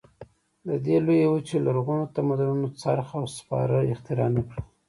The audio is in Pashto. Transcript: د دې لویې وچې لرغونو تمدنونو څرخ او سپاره اختراع نه کړل.